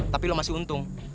tapi lo masih untung